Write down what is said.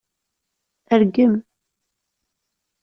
Rgem.